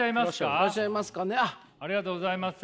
ありがとうございます。